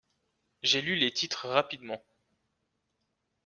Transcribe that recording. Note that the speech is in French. J’ai lu les titres rapidement.